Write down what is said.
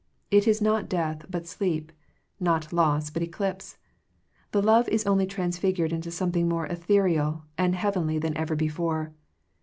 It is not death, but sleep : not loss, but eclipse. The love is only transfigured into something more ethereal and heavenly than ever before.